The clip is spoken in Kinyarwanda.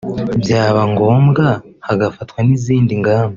byaba ngombwa hagafatwa n’izindi ngamba